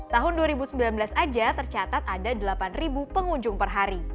tahun dua ribu sembilan belas aja tercatat ada delapan pengunjung per hari